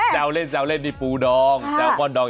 แซลเล่นแซลเล่นได้ปูดอง๊อะ